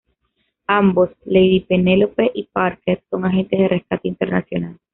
Ambos Lady Penelope y Parker son agentes de Rescate Internacional.